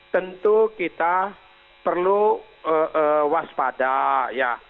tentu kita perlu waspada